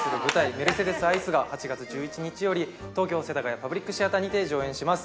『メルセデス・アイス』が８月１１日より東京世田谷パブリックシアターにて上演します。